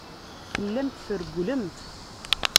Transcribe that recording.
Tellamt trewwlemt.